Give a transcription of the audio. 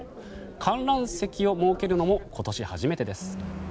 観覧席を設けるのも今年初めてです。